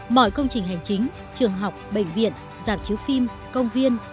mọi công trình hành chính trường học bệnh viện giảm chiếu phim công viên